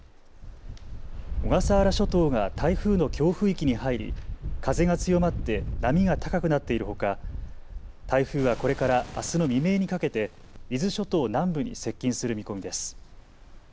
小笠原諸島が台風の強風域に入り風が強まって波が高くなっているほか、台風はこれからあすの未明にかけて伊豆諸島南部に接近する見込みです。